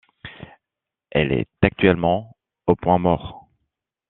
Elle est actuellement au point mort.